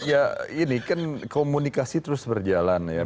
ya ini kan komunikasi terus berjalan ya